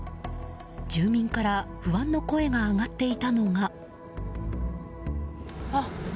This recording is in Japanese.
住民から不安の声が上がっていたのが。